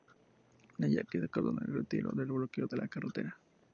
Los yaquis acordaron el retiro del bloqueo de la carretera.